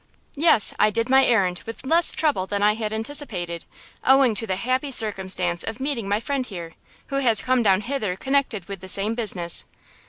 "Yes; I did my errand with less trouble than I had anticipated, owing to the happy circumstance of meeting my friend here, who has come down hither connected with the same business."